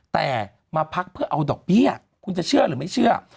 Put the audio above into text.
แต่มาพักเพื่อเอาดอกเบี้ยคุณจะเชื่อหรือไม่เชื่อ